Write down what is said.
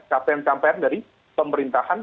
capaian capaian dari pemerintahan